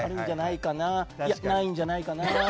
いや、ないんじゃないかな？